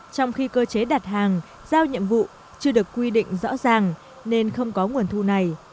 trong khi cơ chế đặt hàng giao nhiệm vụ chưa được quy định rõ ràng nên không có nguồn thu này